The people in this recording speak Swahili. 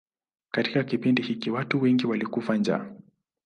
Katika kipindi hiki watu wengi walikufa njaa.